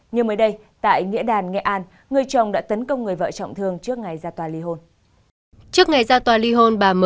nhưng mới đây tại nghĩa đàn nghệ an người chồng đã tấn công người vợ trọng thương trước ngày ra tòa ly hôn